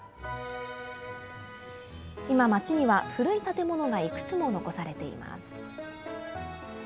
今、街には古い建物がいくつも残されています。